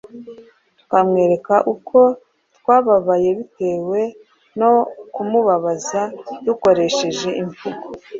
tukamwereka uko twababaye bitewe no kumubabaza dukoresheje imvugo